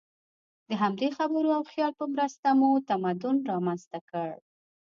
د همدې خبرو او خیال په مرسته مو تمدن رامنځ ته کړ.